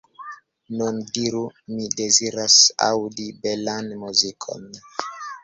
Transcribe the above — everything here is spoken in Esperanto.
Nun diru: mi deziras aŭdi belan muzikon.